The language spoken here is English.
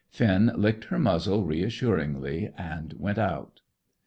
Finn licked her muzzle reassuringly and went out.